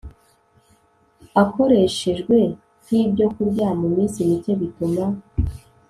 akoreshejwe nkibyokurya mu minsi mike bituma